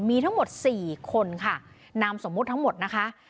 มีทั้งหมดสี่คนค่ะนามสมมุติทั้งหมดนะคะ